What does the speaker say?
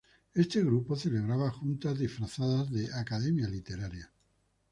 Este grupo celebraba juntas disfrazadas de "academia literaria".